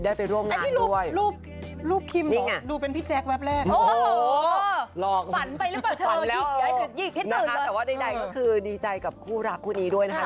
แต่ว่าใดก็คือดีใจกับคู่รักคู่นี้ด้วยนะคะ